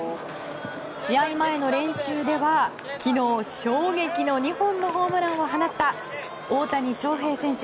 試合前の練習では昨日、衝撃の２本のホームランを放った大谷翔平選手。